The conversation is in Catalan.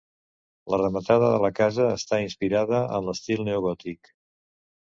La rematada de la casa està inspirada en l'estil neogòtic.